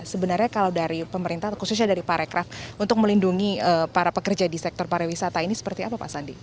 sebenarnya kalau dari pemerintah khususnya dari parekraf untuk melindungi para pekerja di sektor pariwisata ini seperti apa pak sandi